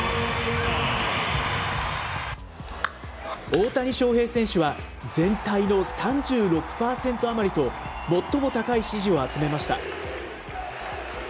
大谷翔平選手は、全体の３６％余りと、最も高い支持を集めました。